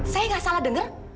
saya gak salah denger